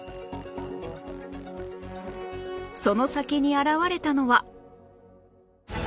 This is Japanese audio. その先に現れたのは